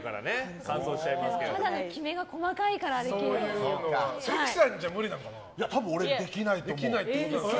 肌のきめが細かいからできるんですよ。